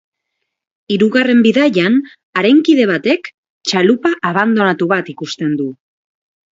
Hirugarren bidaian, haren kide batek txalupa abandonatu bat ikusten du.